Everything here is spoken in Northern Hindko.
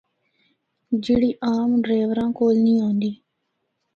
جِڑّی عام ڈریوراں کول نیں ہوندی۔